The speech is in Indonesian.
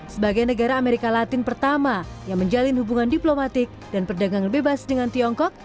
sebagai negara amerika latin pertama yang menjalin hubungan diplomatik dan perdagangan bebas dengan tiongkok